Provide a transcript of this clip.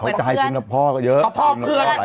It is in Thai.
เขาใจคุณกับพ่อก็เยอะ